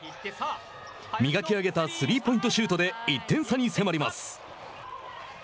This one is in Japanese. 磨き上げたスリーポイントシュートで１点差に迫ります。